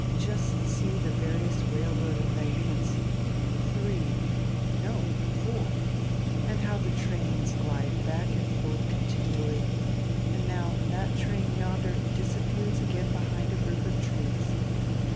Just see die various railroad embankments, diree, no, four, and how die trains glide back and forth con tinually, and now diat train yonder disappears again behind a group of trees.